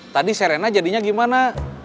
tadi serena jadinya gimana